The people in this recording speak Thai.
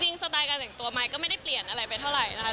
สไตล์การแต่งตัวไมค์ก็ไม่ได้เปลี่ยนอะไรไปเท่าไหร่นะคะ